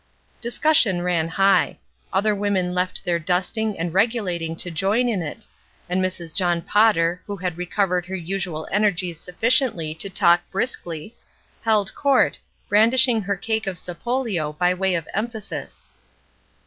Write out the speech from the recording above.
Discussion ran high. Other women left their dusting and regulating to join in it; and Mrs. John Potter, who had recovered her usual energies sufficiently to talk briskly, held court, brandishing her cake of sapoUo by way of emphasis.